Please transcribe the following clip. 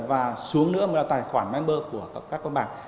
và xuống nữa là tài khoản member của các con bạc